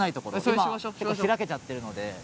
今は開けちゃってるので。